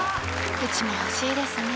うちも欲しいですね